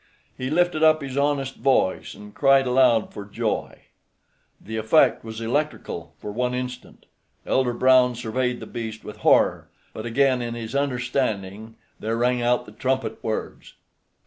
He lifted up his honest voice and cried aloud for joy. The effect was electrical for one instant. Elder Brown surveyed the beast with horror, but again in his understanding there rang out the trumpet words.